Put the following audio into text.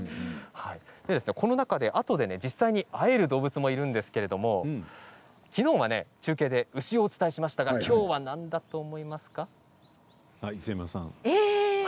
この中で、あとで実際に会える動物もいるんですけれどもきのうは中継で牛をお伝えしましたがきょうは何だと思いますか？